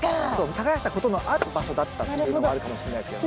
耕したことのある場所だったっていうのもあるかもしれないですけどね。